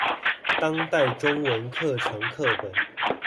當代中文課程課本